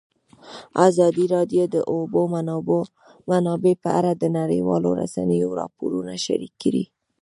ازادي راډیو د د اوبو منابع په اړه د نړیوالو رسنیو راپورونه شریک کړي.